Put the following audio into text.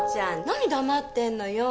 何黙ってんのよ？